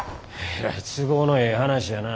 えらい都合のええ話やな。